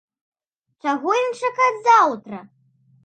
Чаго ім чакаць заўтра?